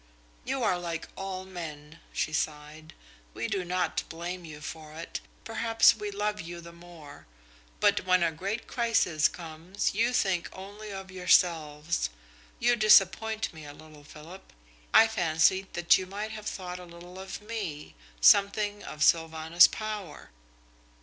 "You are like all men," she sighed. "We do not blame you for it perhaps we love you the more but when a great crisis comes you think only of yourselves. You disappoint me a little, Philip. I fancied that you might have thought a little of me, something of Sylvanus Power."